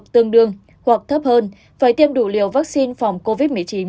trong đường hoặc thấp hơn phải tiêm đủ liều vaccine phòng covid một mươi chín